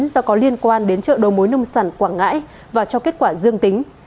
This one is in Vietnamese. do có liên quan đến chợ đầu mối nông sản quảng ngãi và cho kết quả dương tính